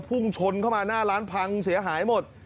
พุ่งชนเข้ามาหน้าร้านพังเสียหายหมด